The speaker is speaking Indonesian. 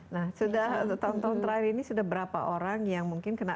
nah sudah tahun tahun terakhir ini sudah berapa orang yang mungkin kena